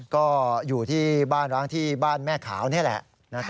ก็อยู่ที่บ้านร้างที่บ้านแม่ขาวนี่แหละ